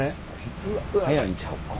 速いんちゃうか？